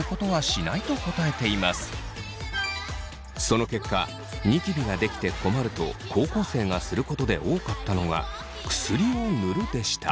その結果ニキビができて困ると高校生がすることで多かったのが薬を塗るでした。